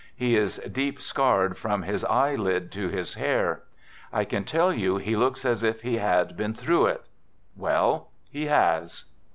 He is deep scarred from his eye lid to his hair. I can tell you he looks as if he had been through it. Well, he has."